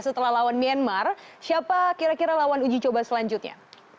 setelah lawan myanmar siapa kira kira lawan uji coba selanjutnya